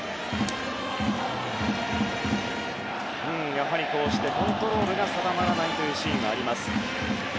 やはりコントロールが定まらないシーンがあります。